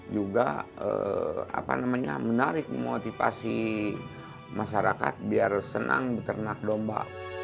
juga menarik memotivasi masyarakat biar senang beternak domba